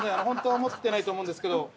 ホントは思ってないと思うんですけど。